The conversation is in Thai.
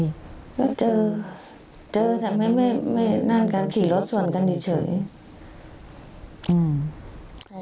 เจอเจอแต่ไม่ไม่ไม่นั่นกันผีลดส่วนกันเฉยเฉย